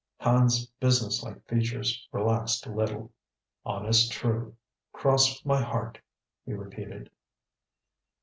Hand's businesslike features relaxed a little. "Honest true, cross my heart!" he repeated.